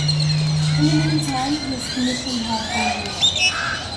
In the meantime, his commission had been revoked.